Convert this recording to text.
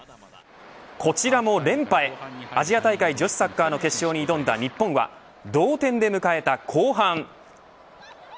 こちらも連覇へ、アジア大会女子サッカーの決勝に挑んだ日本は同点で迎えた後半。